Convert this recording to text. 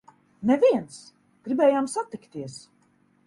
Neviens! Gribējām satikties!